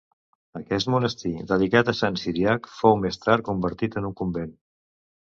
Aquest monestir, dedicat a sant Ciríac, fou més tard convertit en un convent.